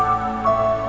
aku mau pergi